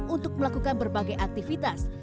untuk melakukan berbagai aktivitas